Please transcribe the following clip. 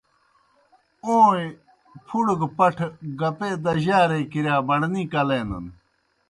اوں اےْ پُھڑہ گہ پٹَھہ گَپے دجارے کِرِیا مڑنی کلینَن۔